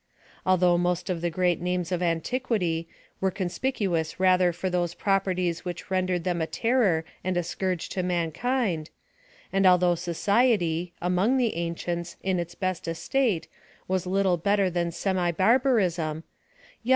Although most of the great names of antiquity, were con spicuous rather for those properties which rendered them a terror and a scourge to mankind ; and, al though society, among the ancients, in its best es tate, was little better than semi barbarism ; yet.